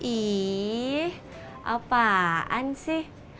ih apaan sih